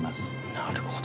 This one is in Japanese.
なるほど！